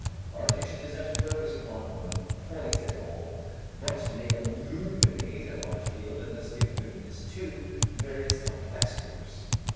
Our attention does not focus upon one point at all but may illuminate a large field and thus give vividness to various complex groups.